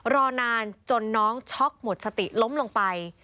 รอนานจนน้องช็อกหมดสติล้มลงไป